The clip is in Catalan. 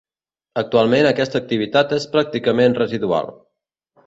Actualment aquesta activitat és pràcticament residual.